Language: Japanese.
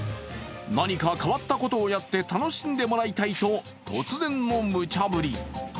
何か変わったことをやって楽しんでもらいたいと突然のむちゃぶり。